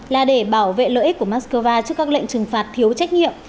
là để bảo vệ lợi ích của moscow trước các lệnh trừng phạt thiếu trách nhiệm